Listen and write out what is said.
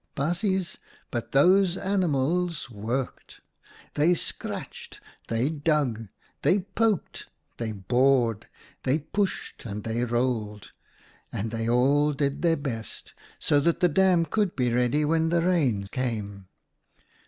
Baasjes, but those animals worked ! They scratched, they dug, they poked, they bored, they pushed and they rolled ; and they all did their best, so that the dam could be ready when the rain came.